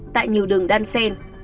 tại nhiều đường đan sen